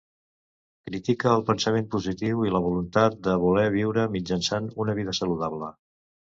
Critica el pensament positiu i la voluntat de voler viure mitjançant una vida saludable.